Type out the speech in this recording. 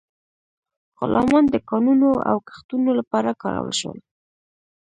غلامان د کانونو او کښتونو لپاره کارول شول.